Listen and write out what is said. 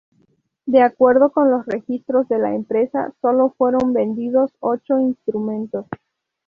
De acuerdo con los registros de la empresa, sólo fueron vendidos ocho instrumentos.